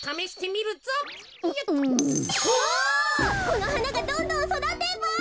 このはながどんどんそだてば。